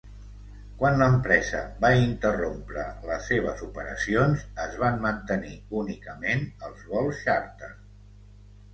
Quan l'empresa va interrompre les seves operacions, es van mantenir únicament els vols xàrter.